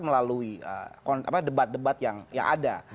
melalui debat debat yang ada